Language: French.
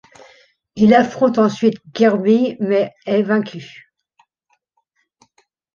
Il affronte ensuite Kirby mais est vaincu.